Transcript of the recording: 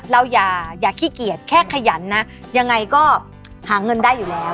เราอย่าขี้เกียจแค่ขยันนะยังไงก็หาเงินได้อยู่แล้ว